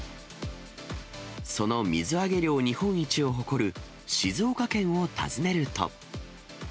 その水揚げ量日本一を誇る、静岡県を訪ねると。